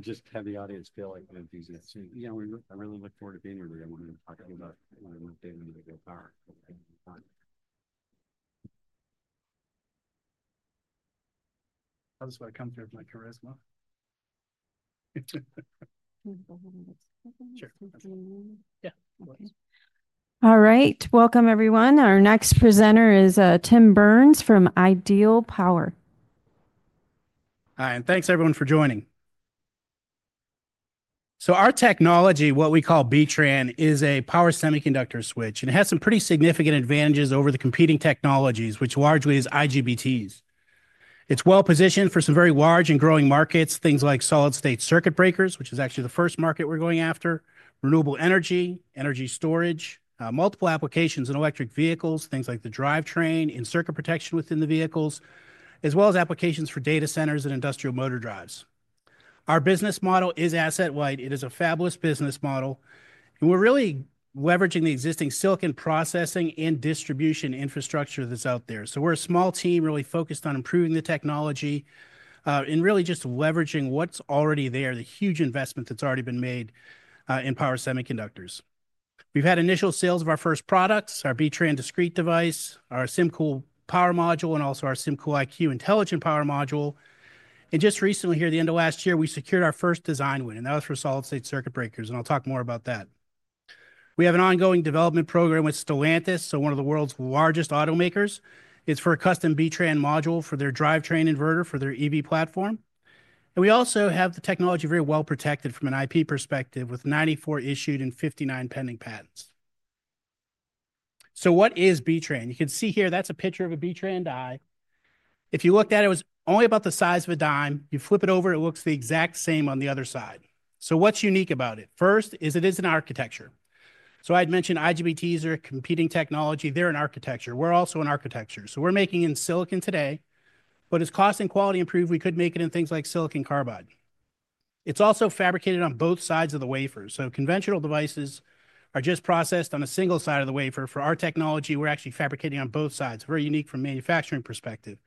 Just to have the audience feel like we're enthusiasts. You know, I really look forward to being with you. I want to talk to you about what we're going to do with your power. I just want to come through with my charisma. Sure. Yeah. All right. Welcome, everyone. Our next presenter is Tim Burns from Ideal Power. Hi, and thanks, everyone, for joining. Our technology, what we call B-TRAN, is a power semiconductor switch, and it has some pretty significant advantages over the competing technologies, which largely are IGBTs. It's well-positioned for some very large and growing markets, things like solid-state circuit breakers, which is actually the first market we're going after, renewable energy, energy storage, multiple applications in electric vehicles, things like the drivetrain, and circuit protection within the vehicles, as well as applications for data centers and industrial motor drives. Our business model is asset-light. It is a fabless business model, and we're really leveraging the existing silicon processing and distribution infrastructure that's out there. We're a small team, really focused on improving the technology and really just leveraging what's already there, the huge investment that's already been made in power semiconductors. We've had initial sales of our first products, our B-TRAN discrete device, our SymCool power module, and also our SymCool IQ intelligent power module. Just recently, here at the end of last year, we secured our first design win, and that was for solid-state circuit breakers, and I'll talk more about that. We have an ongoing development program with Stellantis, one of the world's largest automakers. It's for a custom B-TRAN module for their drivetrain inverter for their EV platform. We also have the technology very well protected from an IP perspective, with 94 issued and 59 pending patents. What is B-TRAN? You can see here, that's a picture of a B-TRAN die. If you looked at it, it was only about the size of a dime. You flip it over, it looks the exact same on the other side. What's unique about it? First, it is an architecture. I had mentioned IGBTs are a competing technology. They're an architecture. We're also an architecture. We're making in silicon today, but as cost and quality improve, we could make it in things like silicon carbide. It is also fabricated on both sides of the wafer. Conventional devices are just processed on a single side of the wafer. For our technology, we're actually fabricating on both sides. Very unique from a manufacturing perspective.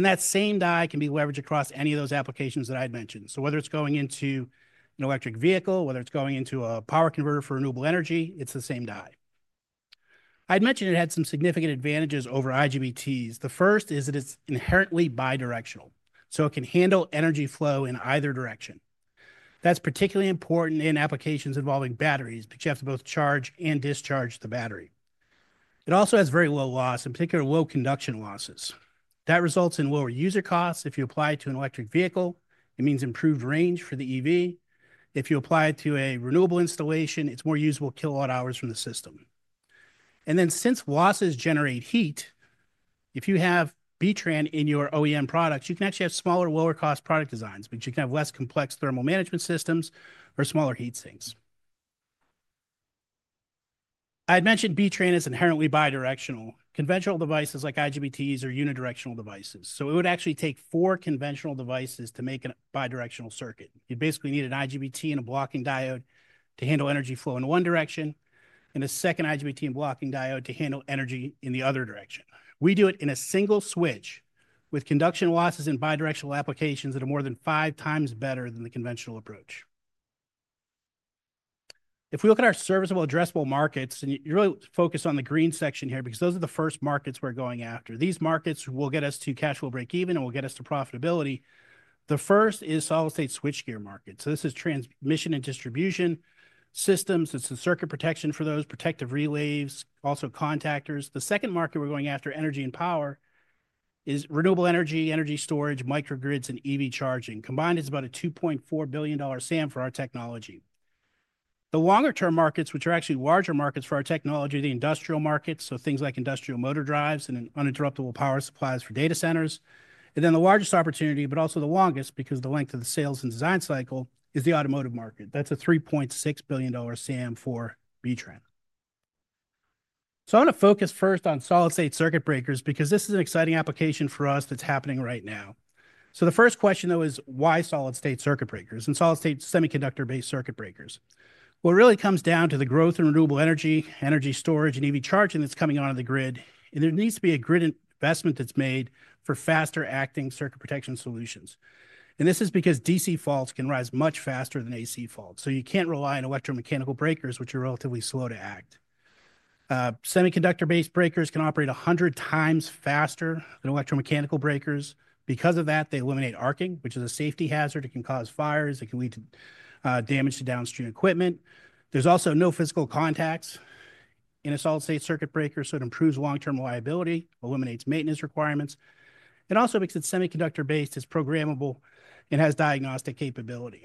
That same die can be leveraged across any of those applications that I had mentioned. Whether it's going into an electric vehicle, whether it's going into a power converter for renewable energy, it's the same die. I had mentioned it had some significant advantages over IGBTs. The first is that it's inherently bidirectional, so it can handle energy flow in either direction. That's particularly important in applications involving batteries, because you have to both charge and discharge the battery. It also has very low loss, in particular, low conduction losses. That results in lower user costs. If you apply it to an electric vehicle, it means improved range for the EV. If you apply it to a renewable installation, it's more usable kilowatt-hours from the system. Since losses generate heat, if you have B-TRAN in your OEM products, you can actually have smaller, lower-cost product designs, because you can have less complex thermal management systems or smaller heat sinks. I had mentioned B-TRAN is inherently bidirectional. Conventional devices like IGBTs are unidirectional devices. It would actually take four conventional devices to make a bidirectional circuit. You'd basically need an IGBT and a blocking diode to handle energy flow in one direction, and a second IGBT and blocking diode to handle energy in the other direction. We do it in a single switch with conduction losses in bidirectional applications that are more than five times better than the conventional approach. If we look at our serviceable addressable markets, and you really focus on the green section here, because those are the first markets we're going after. These markets will get us to cash flow breakeven, and will get us to profitability. The first is solid-state switchgear market. This is transmission and distribution systems. It's the circuit protection for those, protective relays, also contactors. The second market we're going after, energy and power, is renewable energy, energy storage, microgrids, and EV charging. Combined, it's about a $2.4 billion SAM for our technology. The longer-term markets, which are actually larger markets for our technology, are the industrial markets, so things like industrial motor drives and uninterruptible power supplies for data centers. The largest opportunity, but also the longest, because the length of the sales and design cycle, is the automotive market. That's a $3.6 billion SAM for B-TRAN. I want to focus first on solid-state circuit breakers, because this is an exciting application for us that's happening right now. The first question, though, is why solid-state circuit breakers and solid-state semiconductor-based circuit breakers? It really comes down to the growth in renewable energy, energy storage, and EV charging that's coming out of the grid, and there needs to be a grid investment that's made for faster-acting circuit protection solutions. This is because DC faults can rise much faster than AC faults, so you can't rely on electromechanical breakers, which are relatively slow to act. Semiconductor-based breakers can operate 100 times faster than electromechanical breakers. Because of that, they eliminate arcing, which is a safety hazard. It can cause fires. It can lead to damage to downstream equipment. There's also no physical contacts in a solid-state circuit breaker, so it improves long-term reliability, eliminates maintenance requirements. It also makes it semiconductor-based. It's programmable and has diagnostic capability.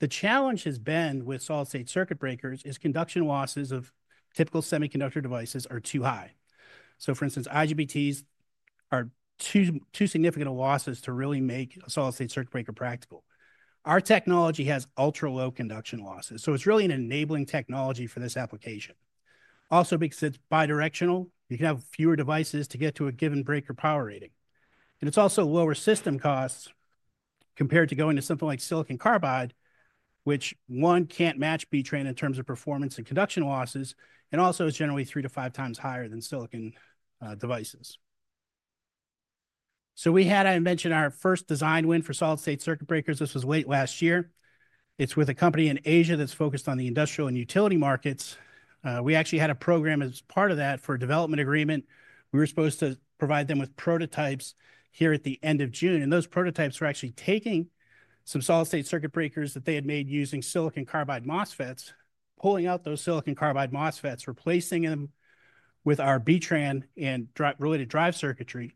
The challenge has been with solid-state circuit breakers is conduction losses of typical semiconductor devices are too high. For instance, IGBTs are too significant a losses to really make a solid-state circuit breaker practical. Our technology has ultra-low conduction losses, so it's really an enabling technology for this application. Also, because it's bidirectional, you can have fewer devices to get to a given breaker power rating. It is also lower system costs compared to going to something like silicon carbide, which, one, can't match B-TRAN in terms of performance and conduction losses, and also is generally three to five times higher than silicon devices. I had mentioned our first design win for solid-state circuit breakers. This was late last year. It's with a company in Asia that's focused on the industrial and utility markets. We actually had a program as part of that for a development agreement. We were supposed to provide them with prototypes here at the end of June, and those prototypes were actually taking some solid-state circuit breakers that they had made using silicon carbide MOSFETs, pulling out those silicon carbide MOSFETs, replacing them with our B-TRAN and related drive circuitry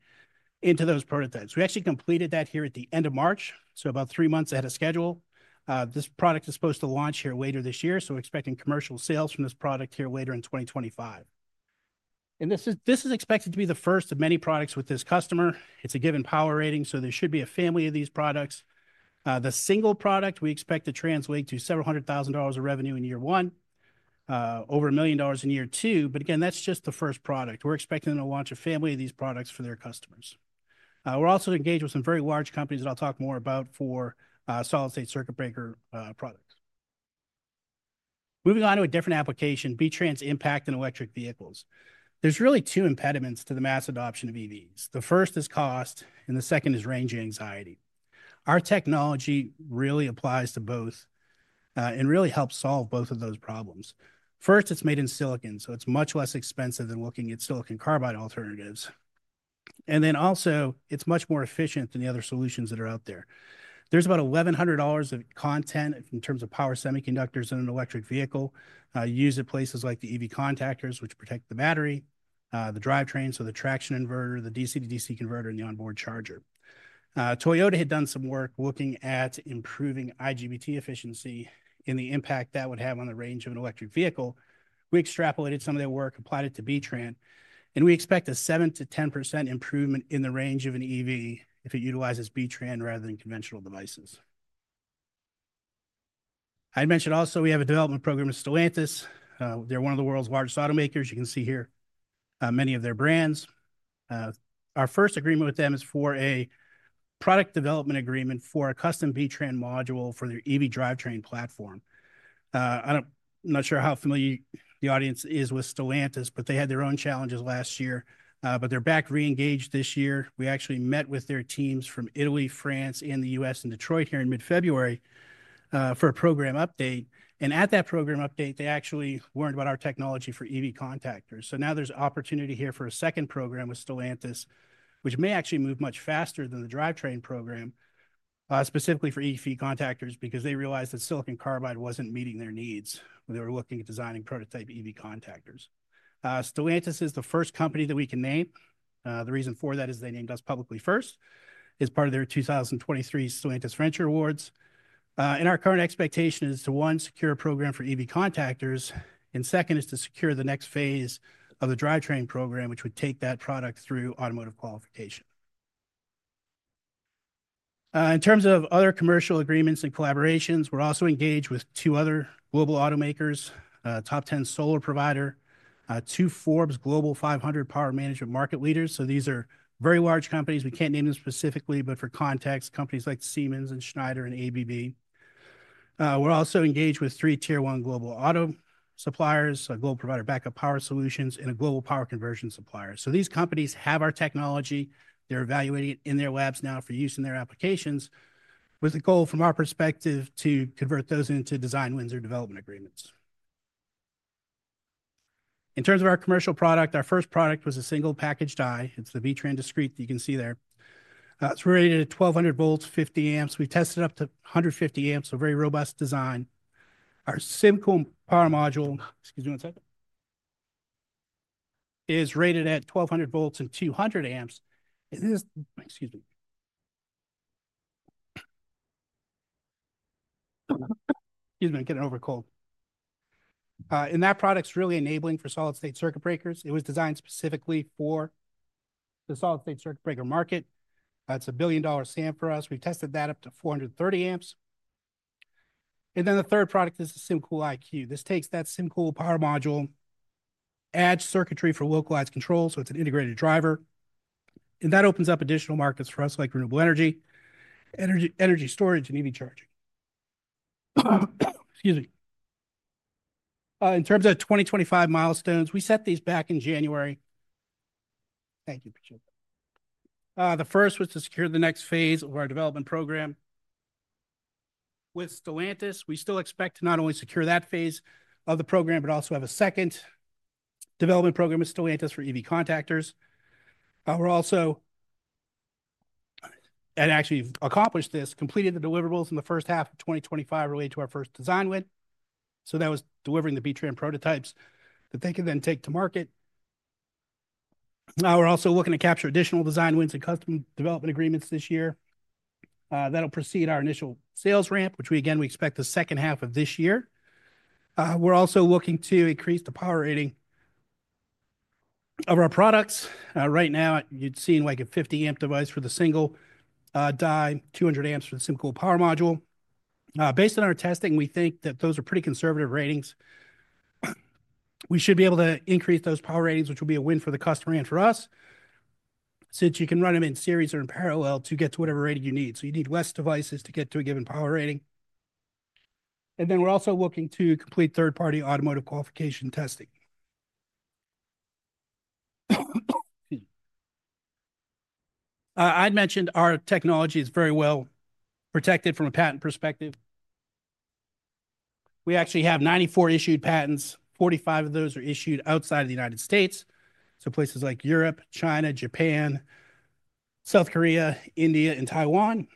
into those prototypes. We actually completed that here at the end of March, so about three months ahead of schedule. This product is supposed to launch here later this year. We are expecting commercial sales from this product here later in 2025. This is expected to be the first of many products with this customer. It is a given power rating, so there should be a family of these products. The single product, we expect to translate to several hundred thousand dollars of revenue in year one, over $1 million in year two, but again, that is just the first product. We're expecting to launch a family of these products for their customers. We're also engaged with some very large companies that I'll talk more about for solid-state circuit breaker products. Moving on to a different application, B-TRAN's impact in electric vehicles. There's really two impediments to the mass adoption of EVs. The first is cost, and the second is range anxiety. Our technology really applies to both and really helps solve both of those problems. First, it's made in silicon, so it's much less expensive than looking at silicon carbide alternatives. It's much more efficient than the other solutions that are out there. There's about $1,100 of content in terms of power semiconductors in an electric vehicle. You use it places like the EV contactors, which protect the battery, the drivetrain, so the traction inverter, the DC-to-DC converter, and the onboard charger. Toyota had done some work looking at improving IGBT efficiency and the impact that would have on the range of an electric vehicle. We extrapolated some of their work, applied it to B-TRAN, and we expect a 7%-10% improvement in the range of an EV if it utilizes B-TRAN rather than conventional devices. I had mentioned also we have a development program with Stellantis. They're one of the world's largest automakers. You can see here many of their brands. Our first agreement with them is for a product development agreement for a custom B-TRAN module for their EV drivetrain platform. I'm not sure how familiar the audience is with Stellantis, but they had their own challenges last year, but they're back re-engaged this year. We actually met with their teams from Italy, France, and the U.S. in Detroit here in mid-February for a program update. At that program update, they actually learned about our technology for EV contactors. Now there's opportunity here for a second program with Stellantis, which may actually move much faster than the drivetrain program, specifically for EV contactors, because they realized that silicon carbide wasn't meeting their needs when they were looking at designing prototype EV contactors. Stellantis is the first company that we can name. The reason for that is they named us publicly first as part of their 2023 Stellantis Venture Awards. Our current expectation is to, one, secure a program for EV contactors, and second, to secure the next phase of the drivetrain program, which would take that product through automotive qualification. In terms of other commercial agreements and collaborations, we're also engaged with two other global automakers, a top 10 solar provider, two Forbes Global 500 power management market leaders. These are very large companies. We can't name them specifically, but for context, companies like Siemens and Schneider and ABB. We're also engaged with three tier one global auto suppliers, a global provider of backup power solutions, and a global power conversion supplier. These companies have our technology. They're evaluating it in their labs now for use in their applications, with a goal from our perspective to convert those into design wins or development agreements. In terms of our commercial product, our first product was a single package die. It's the B-TRAN discrete that you can see there. It's rated at 1,200 V, 50 amps. We tested up to 150 amps, so very robust design. Our SymCool power module, excuse me one second, is rated at 1,200 V and 200 amps. Excuse me. Excuse me, I'm getting over a cold. That product's really enabling for solid-state circuit breakers. It was designed specifically for the solid-state circuit breaker market. It's a billion-dollar SAM for us. We've tested that up to 430 amps. The third product is the SymCool IQ. This takes that SymCool power module, adds circuitry for localized control, so it's an integrated driver. That opens up additional markets for us like renewable energy, energy storage, and EV charging. Excuse me. In terms of 2025 milestones, we set these back in January. Thank you, [Patricia]. The first was to secure the next phase of our development program. With Stellantis, we still expect to not only secure that phase of the program, but also have a second development program with Stellantis for EV contactors. We're also, and actually accomplished this, completed the deliverables in the first half of 2025 related to our first design win. That was delivering the B-TRAN prototypes that they could then take to market. Now we're also looking to capture additional design wins and custom development agreements this year. That'll precede our initial sales ramp, which we, again, we expect the second half of this year. We're also looking to increase the power rating of our products. Right now, you'd seen like a 50 amp device for the single die, 200 amps for the SymCool power module. Based on our testing, we think that those are pretty conservative ratings. We should be able to increase those power ratings, which will be a win for the customer and for us, since you can run them in series or in parallel to get to whatever rating you need. You need less devices to get to a given power rating. We're also looking to complete third-party automotive qualification testing. Excuse me. I had mentioned our technology is very well protected from a patent perspective. We actually have 94 issued patents. Forty-five of those are issued outside of the United States, so places like Europe, China, Japan, South Korea, India, and Taiwan.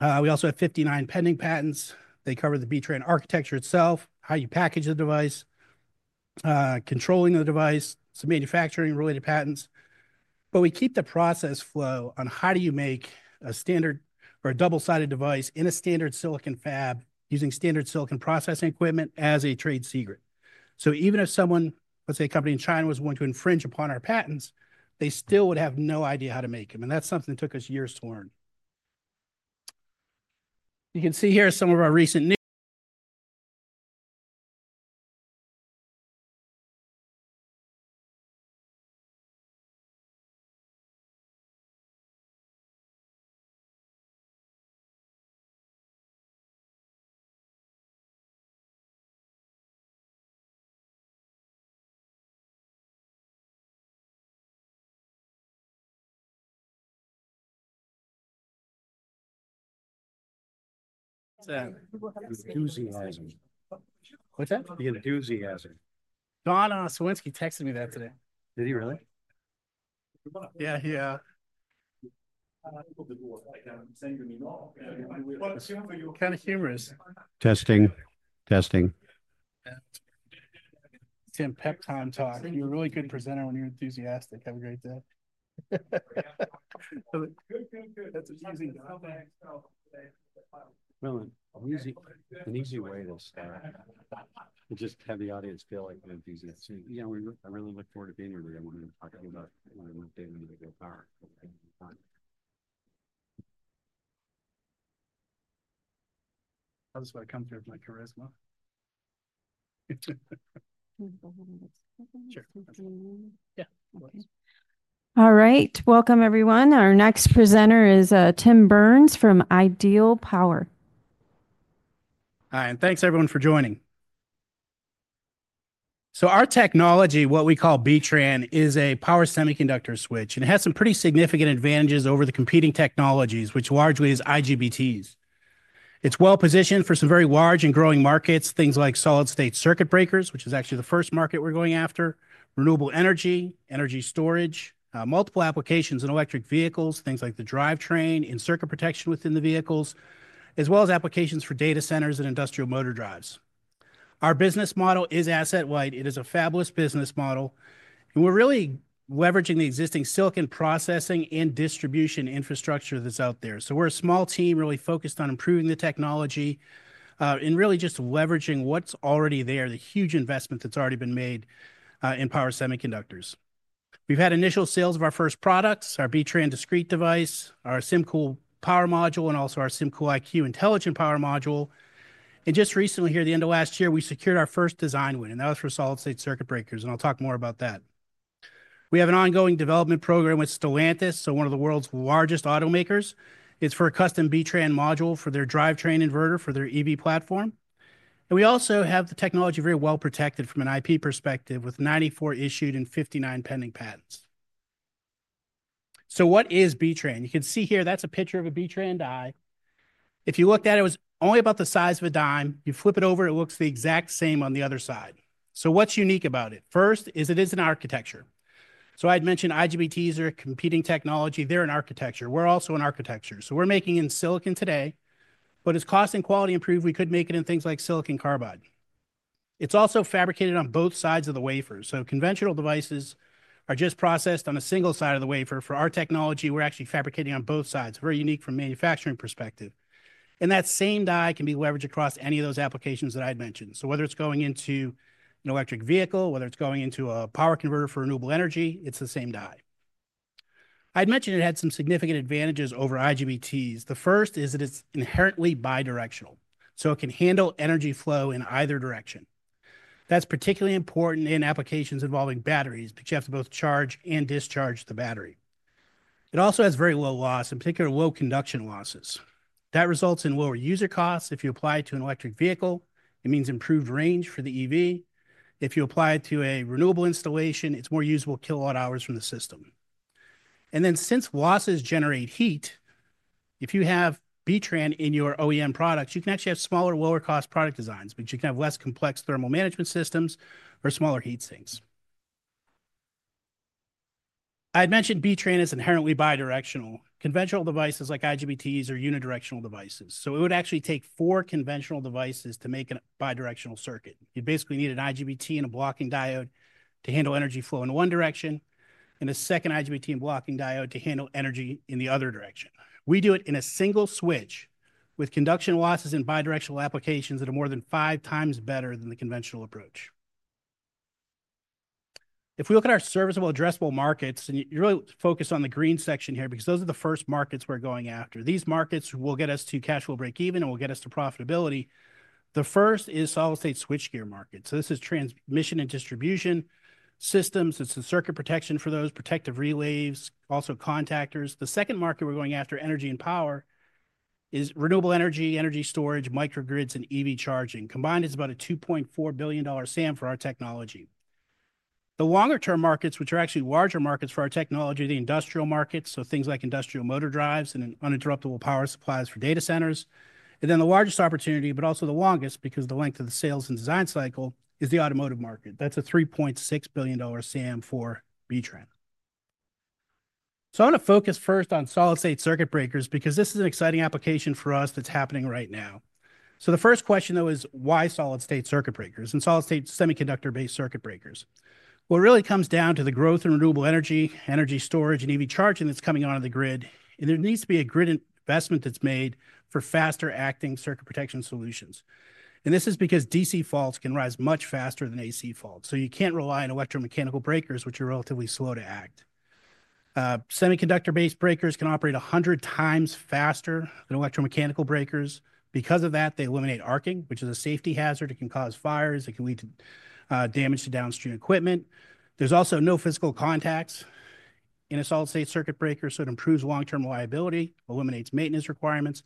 We also have 59 pending patents. They cover the B-TRAN architecture itself, how you package the device, controlling the device, some manufacturing-related patents. We keep the process flow on how you make a standard or a double-sided device in a standard silicon fab using standard silicon processing equipment as a trade secret. Even if someone, let's say a company in China, was going to infringe upon our patents, they still would have no idea how to make them. That's something that took us years to learn. You can see here some of our recent. [John Swinsky] texted me that today. Did he really? Yeah, yeah. Kind of humorous. Testing, testing. Tim Peck, Time Talk. You're a really good presenter when you're enthusiastic. Have a great day. That's an easy way to start. Just have the audience feel like an enthusiast. Yeah, I really look forward to being here. I wanted to talk to you about what I'm updating with the power. I just want to come through with my charisma. Sure. Yeah. All right. Welcome, everyone. Our next presenter is Tim Burns from Ideal Power. Hi, and thanks, everyone, for joining. So our technology, what we call B-TRAN, is a power semiconductor switch, and it has some pretty significant advantages over the competing technologies, which largely is IGBTs. It's well-positioned for some very large and growing markets, things like solid-state circuit breakers, which is actually the first market we're going after, renewable energy, energy storage, multiple applications in electric vehicles, things like the drivetrain and circuit protection within the vehicles, as well as applications for data centers and industrial motor drives. Our business model is asset-light. It is a fabless business model, and we're really leveraging the existing silicon processing and distribution infrastructure that's out there. We're a small team really focused on improving the technology and really just leveraging what's already there, the huge investment that's already been made in power semiconductors. We've had initial sales of our first products, our B-TRAN discrete device, our SymCool power module, and also our SymCool IQ intelligent power module. Just recently here, the end of last year, we secured our first design win, and that was for solid-state circuit breakers, and I'll talk more about that. We have an ongoing development program with Stellantis, so one of the world's largest automakers. It's for a custom B-TRAN module for their drivetrain inverter for their EV platform. We also have the technology very well protected from an IP perspective with 94 issued and 59 pending patents. What is B-TRAN? You can see here, that's a picture of a B-TRAN die. If you looked at it, it was only about the size of a dime. You flip it over, it looks the exact same on the other side. What's unique about it? First is it is an architecture. I had mentioned IGBTs are a competing technology. They're an architecture. We're also an architecture. We're making in silicon today, but as cost and quality improve, we could make it in things like silicon carbide. It's also fabricated on both sides of the wafer. Conventional devices are just processed on a single side of the wafer. For our technology, we're actually fabricating on both sides. Very unique from a manufacturing perspective. That same die can be leveraged across any of those applications that I had mentioned. Whether it's going into an electric vehicle, whether it's going into a power converter for renewable energy, it's the same die. I had mentioned it had some significant advantages over IGBTs. The first is that it's inherently bidirectional, so it can handle energy flow in either direction. That's particularly important in applications involving batteries, which you have to both charge and discharge the battery. It also has very low loss, in particular low conduction losses. That results in lower user costs. If you apply it to an electric vehicle, it means improved range for the EV. If you apply it to a renewable installation, it's more usable kilowatt-hours from the system. Since losses generate heat, if you have B-TRAN in your OEM products, you can actually have smaller, lower-cost product designs, which you can have less complex thermal management systems or smaller heat sinks. I had mentioned B-TRAN is inherently bidirectional. Conventional devices like IGBTs are unidirectional devices. It would actually take four conventional devices to make a bidirectional circuit. You'd basically need an IGBT and a blocking diode to handle energy flow in one direction, and a second IGBT and blocking diode to handle energy in the other direction. We do it in a single switch with conduction losses in bidirectional applications that are more than five times better than the conventional approach. If we look at our serviceable, addressable markets, and you really focus on the green section here because those are the first markets we're going after. These markets will get us to cash flow breakeven, and we'll get us to profitability. The first is solid-state switchgear markets. This is transmission and distribution systems. It's the circuit protection for those, protective relays, also contactors. The second market we're going after, energy and power, is renewable energy, energy storage, microgrids, and EV charging. Combined, it's about a $2.4 billion SAM for our technology. The longer-term markets, which are actually larger markets for our technology, are the industrial markets, things like industrial motor drives and uninterruptible power supplies for data centers. The largest opportunity, but also the longest because of the length of the sales and design cycle, is the automotive market. That's a $3.6 billion SAM for B-TRAN. I want to focus first on solid-state circuit breakers because this is an exciting application for us that's happening right now. The first question, though, is why solid-state circuit breakers and solid-state semiconductor-based circuit breakers? It really comes down to the growth in renewable energy, energy storage, and EV charging that's coming onto the grid, and there needs to be a grid investment that's made for faster-acting circuit protection solutions. This is because DC faults can rise much faster than AC faults. You can't rely on electromechanical breakers, which are relatively slow to act. Semiconductor-based breakers can operate 100 times faster than electromechanical breakers. Because of that, they eliminate arcing, which is a safety hazard. It can cause fires. It can lead to damage to downstream equipment. There's also no physical contacts in a solid-state circuit breaker, so it improves long-term reliability, eliminates maintenance requirements.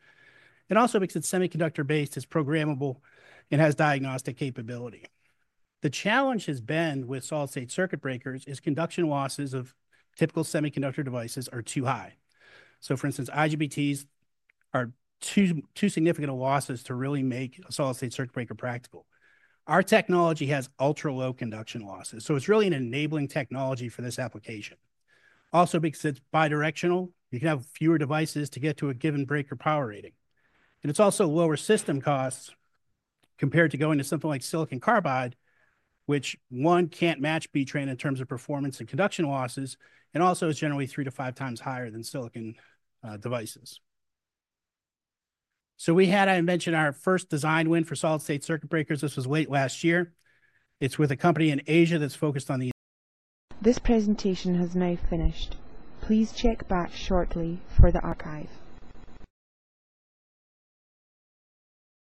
It also makes it semiconductor-based, is programmable, and has diagnostic capability. The challenge has been with solid-state circuit breakers is conduction losses of typical semiconductor devices are too high. For instance, IGBTs are too significant of losses to really make a solid-state circuit breaker practical. Our technology has ultra-low conduction losses. It's really an enabling technology for this application. Also, because it's bidirectional, you can have fewer devices to get to a given breaker power rating. It's also lower system costs compared to going to something like silicon carbide, which, one, can't match B-TRAN in terms of performance and conduction losses, and also is generally three to five times higher than silicon devices. I had mentioned our first design win for solid-state circuit breakers. This was late last year. It's with a company in Asia that's focused on these. This presentation has now finished. Please check back shortly for the archive.